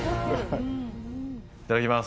いただきます！